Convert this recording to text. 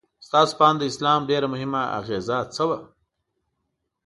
ستاسو په اند د اسلام ډېره مهمه اغیزه څه وه؟